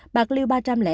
bạc liêu ba trăm linh năm